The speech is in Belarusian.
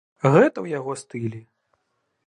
Гэта ў яго стылі.